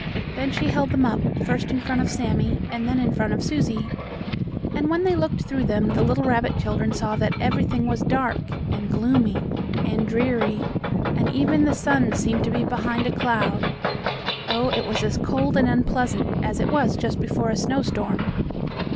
Then she held them up, first in front of Sammie, and then in front of Susie. And when they looked through them the little rabbit children saw that everything was dark, and gloomy, and dreary, and even the sun seemed to be behind a cloud. Oh, it was as cold and unpleasant as it is just before a snowstorm.